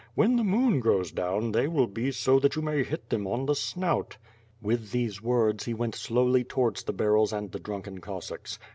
"When the moon ^oes down they will be so that you may hit them on the snout." With those words he went slowly towards the barrels and the drunken Cossacks.